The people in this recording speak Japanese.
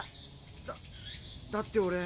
だだって俺。